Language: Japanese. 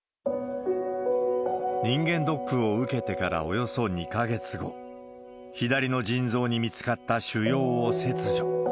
人間ドックを受けてからおよそ２か月後、左の腎臓に見つかった腫瘍を切除。